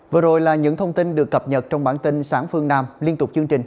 vừa rồi là những thông tin được cập nhật trong bản tin sáng phương nam liên tục chương trình